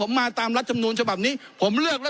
ท่านนายกคือทำร้ายระบอบประชาธิปไตยที่มีพระมหาคศัตริย์